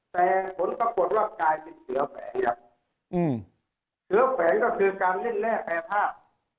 แต่ผลประกวดว่ากายเป็นเสื้อแผงเสื้อแผงก็คือการเล่นแน่แผ่ภาพ